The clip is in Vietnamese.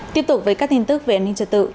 tiếp tục với các tin tức về an ninh trật tự